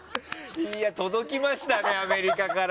届きましたね、アメリカから。